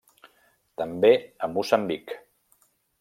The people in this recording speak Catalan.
També a Moçambic.